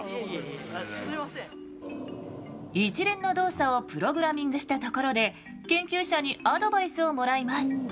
一連の動作をプログラミングしたところで研究者にアドバイスをもらいます。